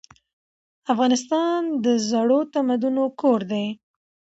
افغانستان د زړو تمدنونو کور دی.